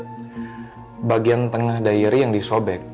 dia ngasih liat bagian tengah dairi yang disobek